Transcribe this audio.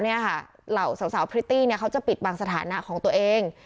เนี่ยค่ะเหล่าเสียวสาวเนี้ยเขาจะปิดบางสถานะของตัวเอง